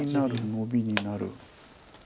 ノビになる。